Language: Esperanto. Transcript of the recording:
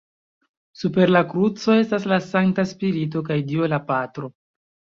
Super la kruco estas la Sankta Spirito kaj dio La Patro.